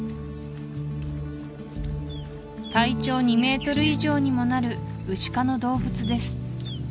体長２ｍ以上にもなるウシ科の動物です